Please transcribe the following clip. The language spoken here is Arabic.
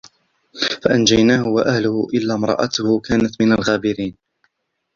فأنجيناه وأهله إلا امرأته كانت من الغابرين